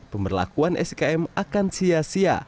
pemberlakuan sikm akan sia sia